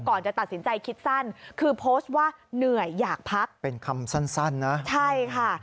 ก่อนจะตัดสินใจคิดสั้นคือโพสต์ว่าเหนื่อยอยากพักเป็นคำสั้นนะใช่ค่ะ